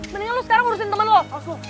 mendingan lu sekarang urusin temen lu